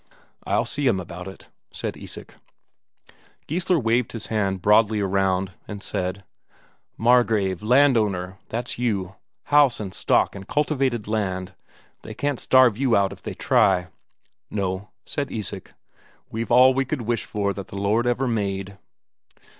"I'll see him about it," said Isak. Geissler waved his hand broadly around, and said: "Margrave, landowner that's you! House and stock and cultivated land they can't starve you out if they try!" "No," said Isak. "We've all we could wish for that the Lord ever made."